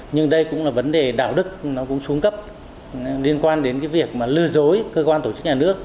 nhưng đây cũng là vấn đề đạo đức nó cũng xuống cấp liên quan đến cái việc mà lừa dối cơ quan tổ chức nhà nước